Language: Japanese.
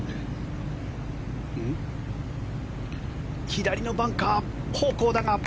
左のバンカー方向だが。